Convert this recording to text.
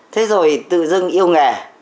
thế rồi tự dưng yêu nghề